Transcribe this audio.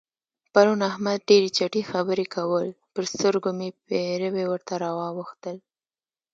پرون احمد ډېرې چټي خبرې کول؛ پر سترګو مې پېروي ورته راواوښتل.